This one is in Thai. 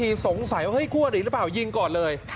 ที่สงสัยว่าคู้อลิหรือเปล่ายิงก่อนเลย